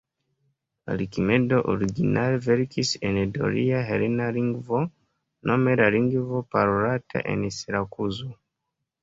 Arkimedo originale verkis en doria helena lingvo, nome la lingvo parolata en Sirakuzo.